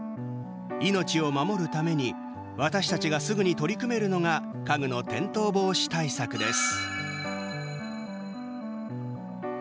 命を守るために私たちがすぐに取り組めるのが家具の転倒防止対策です。